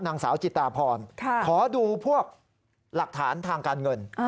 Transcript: นางสาวจิตาพรขอดูพวกหลักฐานทางการเงิน